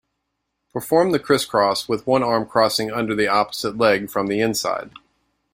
Perform the criss-cross with one arm crossing under the opposite leg from the inside.